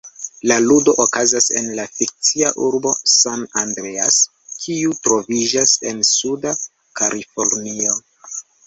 La ludo okazas en la fikcia urbo San Andreas, kiu troviĝas en Suda Kalifornio.